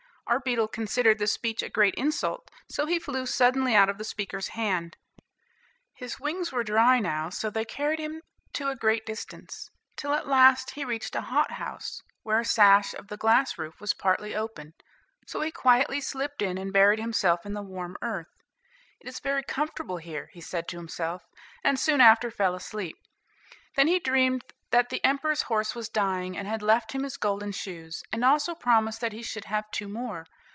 Our beetle considered this speech a great insult, so he flew suddenly out of the speaker's hand. His wings were dry now, so they carried him to a great distance, till at last he reached a hothouse, where a sash of the glass roof was partly open, so he quietly slipped in and buried himself in the warm earth. "It is very comfortable here," he said to himself, and soon after fell asleep. Then he dreamed that the emperor's horse was dying, and had left him his golden shoes, and also promised that he should have two more.